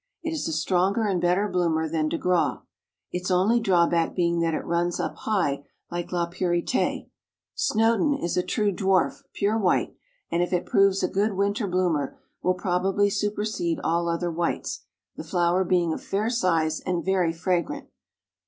It is a stronger and better bloomer than de Graw, its only drawback being that it runs up high like La Purite. Snowdon is a true dwarf, pure white, and if it proves a good winter bloomer, will probably supersede all other whites, the flower being of fair size and very fragrant.